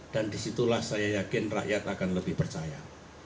dan disitulah saya yakin rakyat akan lebih percaya